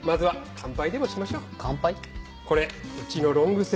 乾杯。